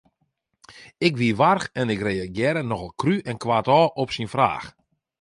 Ik wie warch en ik reagearre nochal krú en koartôf op syn fraach.